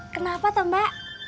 kenapa tuh mbak